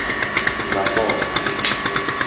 وفاء